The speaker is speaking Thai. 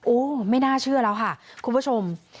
ไม่น่าเชื่อแล้วค่ะคุณผู้ชม